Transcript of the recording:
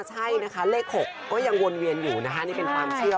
ใช่นะคะเลข๖ก็ยังวนเวียนอยู่นะคะนี่เป็นความเชื่อ